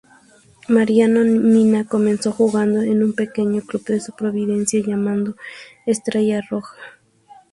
Mariano Mina comenzó jugando en un pequeño club de su provincia llamado Estrella Roja.